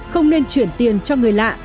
không nên chuyển tiền cho người lạ